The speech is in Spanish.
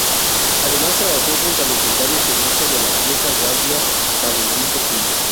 Además trabajó junto al legendario pianista de la vieja guardia Valentín Trujillo.